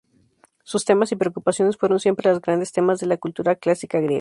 Sus temas y preocupaciones fueron siempre los grandes temas de la cultura clásica griega.